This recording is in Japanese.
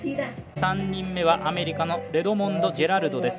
３人目はアメリカのレドモンド・ジェラルド。